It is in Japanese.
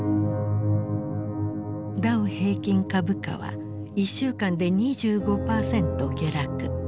ダウ平均株価は１週間で２５％下落。